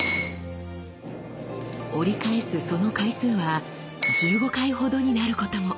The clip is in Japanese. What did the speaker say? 折り返すその回数は１５回ほどになることも。